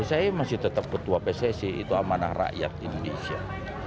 saya masih tetap ketua pssi itu amanah rakyat indonesia